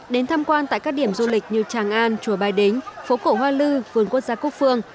đến tham quan tại các điểm du lịch như tràng an chùa bài đính phố cổ hoa lư vườn quốc gia quốc phương